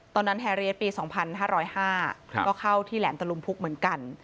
แฮเรียสปี๒๕๐๕ก็เข้าที่แหลมตะลุมพุกเหมือนกัน